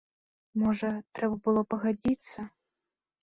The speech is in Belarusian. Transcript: Можа, трэба было пагадзіцца?